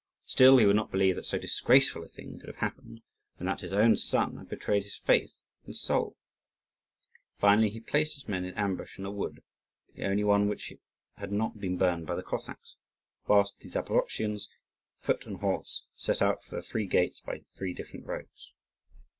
Still he would not believe that so disgraceful a thing could have happened, and that his own son had betrayed his faith and soul. Finally he placed his men in ambush in a wood the only one which had not been burned by the Cossacks whilst the Zaporozhians, foot and horse, set out for the three gates by three different roads.